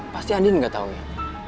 pasti andien gak tau ya